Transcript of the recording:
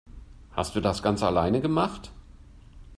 Hast du das ganz alleine gemacht?